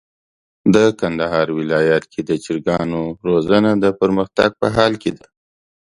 د کندهار ولايت کي د چرګانو روزنه د پرمختګ په حال کي ده.